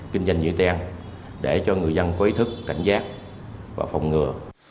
kinh doanh như tiên để cho người dân có ý thức cảnh giác và phòng ngừa